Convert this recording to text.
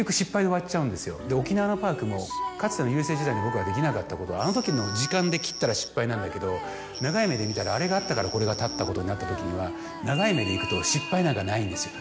沖縄のパークもかつてのＵＳＪ時代に僕ができなかったことはあの時の時間で切ったら失敗なんだけど長い目で見たらあれがあったからこれが建ったことになったときには長い目でいくと失敗なんかないんですよ